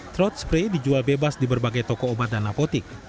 throat spray dijual bebas di berbagai toko obat dan napotik